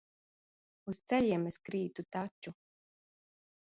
Uz ceļiem es krītu taču.